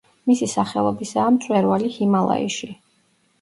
მისი სახელობისაა მწვერვალი ჰიმალაიში.